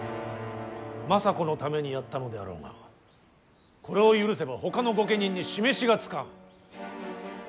政子のためにやったのであろうがこれを許せばほかの御家人に示しがつかん。